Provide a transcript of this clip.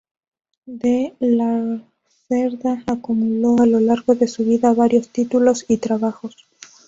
De Lacerda acumuló a lo largo de su vida varios títulos y trabajos.